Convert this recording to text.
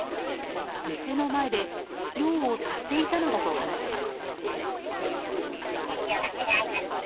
店の前で用を足していたのだと話します。